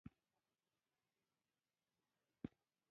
هر څوک په سیاست کې فرصت پېژني او ګټه ترې پورته کوي